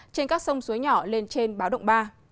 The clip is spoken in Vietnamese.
trên các sông suối nhỏ lên trên báo động ba